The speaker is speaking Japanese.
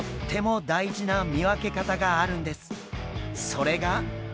それが。